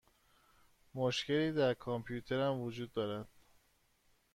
مشکلی در کامپیوترم وجود دارد.